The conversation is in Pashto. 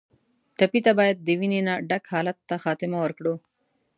ټپي ته باید د وینې نه ډک حالت ته خاتمه ورکړو.